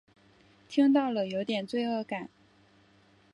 听到了有点罪恶感